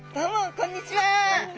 こんにちは。